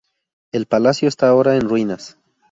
El palacio está ahora en ruinas.